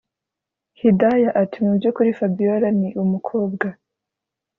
hidaya ati”mubyukuri fabiora ni umukobwa